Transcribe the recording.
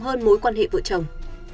hơn mối quan hệ vợ chồng